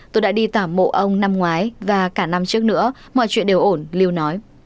tôi đã đi tả mộ ông năm ngoái và cả năm trước nữa mọi chuyện đều ổn lưu nói